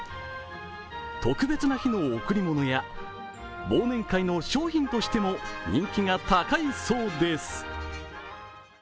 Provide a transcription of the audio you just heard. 特別な日の贈り物や忘年会の賞品としても人気が高いそうです。